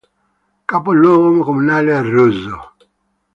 Capoluogo comunale è Russo.